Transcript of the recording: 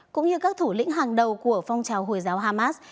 cũng như các thủ lĩnh hàng đầu của phong trào hồi giáo hamas